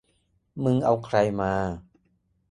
มึงเอาใครมา